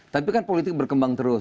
tapi kan politik berkembang terus